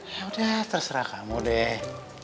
ya udah terserah kamu deh